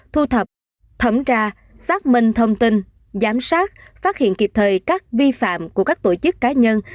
thu thập thẩm tra xác minh thông tin giám sát phát hiện kịp thời các vi phạm của các tổ chức cá nhân